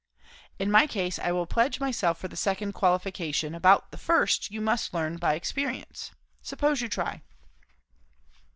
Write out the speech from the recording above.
"In my case I will pledge myself for the second qualification; about the first you must learn by experience. Suppose you try."